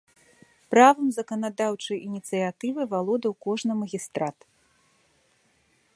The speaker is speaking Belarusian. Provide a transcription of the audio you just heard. Правам заканадаўчай ініцыятывы валодаў кожны магістрат.